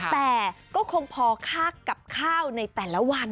แต่ก็คงพอค่ากับข้าวในแต่ละวัน